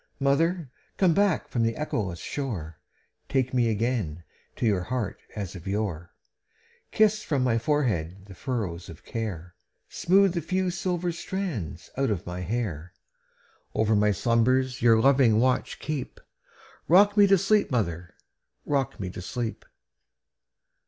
Mother, come back from the echoless shore, Take me again to your heart as of yore; Kiss from my forehead the furrows of care, Smooth the few silver threads out of my hair; Over my slumbers your loving watch keep;—Rock me to sleep, mother,—rock me to sleep!